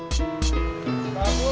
tunggu dulu ya asus